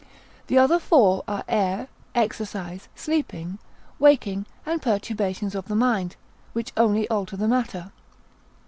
The other four are air, exercise, sleeping, waking, and perturbations of the mind, which only alter the matter.